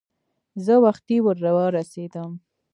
زه وختي ور ورسېدم.